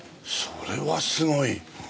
それはすごい！